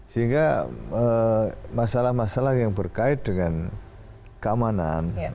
sehingga masalah masalah yang berkait dengan keamanan